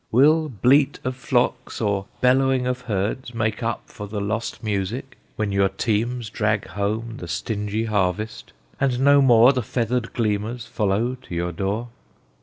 Will bleat of flocks or bellowing of herds Make up for the lost music, when your teams Drag home the stingy harvest, and no more The feathered gleaners follow to your door?